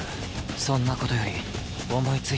そんな事より思いついた。